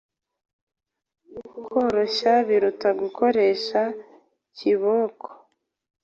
koroshya biruta gukoresha kiboko